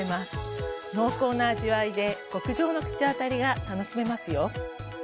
濃厚な味わいで極上の口当たりが楽しめますよ。